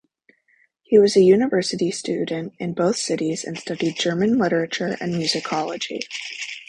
He was a university student in both cities and studied German literature and musicology.